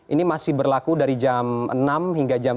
ini masih berlaku dari jam enam hingga jam sembilan